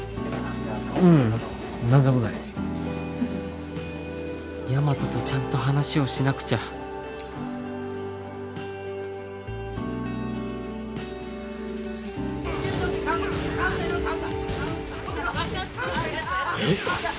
ううん何でもないヤマトとちゃんと話をしなくちゃえっ？